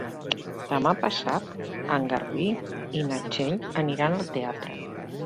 Demà passat en Garbí i na Txell aniran al teatre.